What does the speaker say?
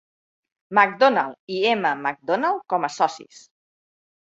McDonald i M. McDonald com a socis.